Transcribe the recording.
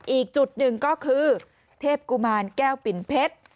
อีกจุดหนึ่งก็คือเทพกุมารแก้วปิ่นเพชร